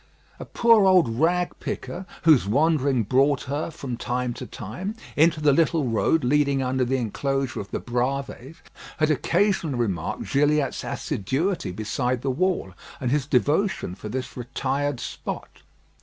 A poor old rag picker, whose wandering brought her, from time to time, into the little road leading under the inclosure of the Bravées, had occasionally remarked Gilliatt's assiduity beside the wall, and his devotion for this retired spot.